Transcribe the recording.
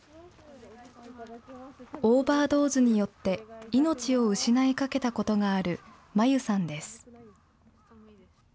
オーバードーズによって、命を失いかけたことがあるまゆさんです。